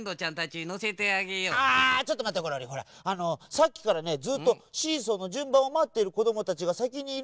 さっきからねずっとシーソーのじゅんばんをまってるこどもたちがさきにいるんですよ。